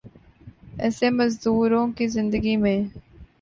یسے مزدوروں کی زندگی میں